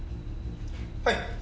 はい。